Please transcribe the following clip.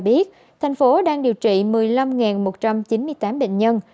biết thành phố đang điều trị một mươi năm một trăm chín mươi tám bệnh nhân